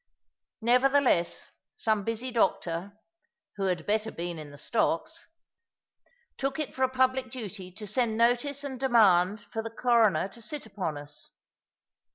Nevertheless some busy doctor (who had better been in the stocks) took it for a public duty to send notice and demand for the Coroner to sit upon us.